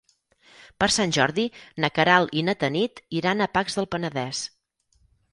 Per Sant Jordi na Queralt i na Tanit iran a Pacs del Penedès.